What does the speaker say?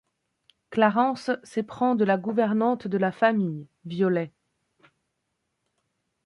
Clarence s'éprend de la gouvernante de la famille, Violet.